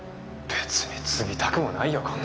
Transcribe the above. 別に継ぎたくもないよこんな家。